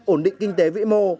ổn định kinh tế vĩ mô